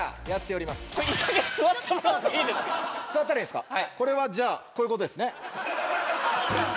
座ったらいいんですか？